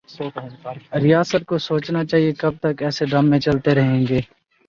ریاست کو سوچنا چاہیے کہ کب تک ایسے ڈرامے چلتے رہیں گے